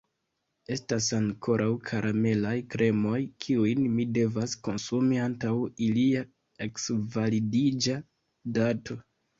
Estas ankoraŭ karamelaj kremoj, kiujn mi devas konsumi antaŭ ilia eksvalidiĝa dato.